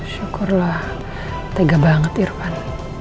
syukurlah tega banget irfan